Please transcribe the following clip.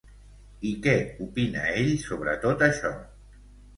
I què opina ell sobre tot això?